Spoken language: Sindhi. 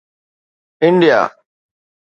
انڊيا